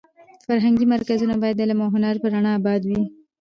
فرهنګي مرکزونه باید د علم او هنر په رڼا اباد وي.